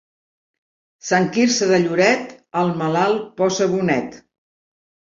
Sant Quirze de Lloret al malalt posa bonet.